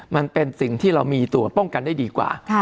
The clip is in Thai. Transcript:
มันเป็นสิ่งที่เรามีตัวป้องกันได้ดีกว่า